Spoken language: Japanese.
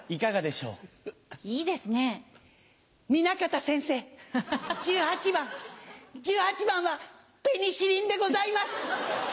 南方先生１８番１８番はペニシリンでございます。